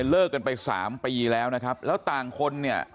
เลิกกันไปสามปีแล้วนะครับแล้วต่างคนเนี่ย